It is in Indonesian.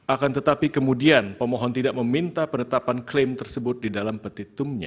akan tetapi kemudian pemohon tidak meminta penetapan klaim tersebut di dalam petitumnya